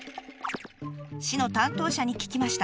市の担当者に聞きました。